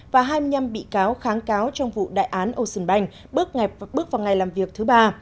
và hai mươi năm bị cáo kháng cáo trong vụ đại án ocean bank bước vào ngày làm việc thứ ba